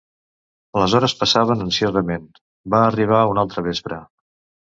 Les hores passaven ansiosament: va arribar un altre vespre.